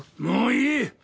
もういい！